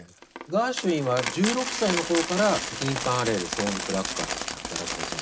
ガーシュウィンは１６歳の頃からティン・パン・アレーでソングプラガーとして働き始めたんですね。